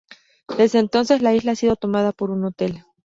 Desde entonces la isla ha sido tomada por un hotel.